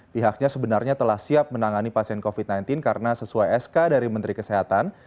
pihaknya sebenarnya telah siap menangani pasien covid sembilan belas karena sesuai sk dari menteri kesehatan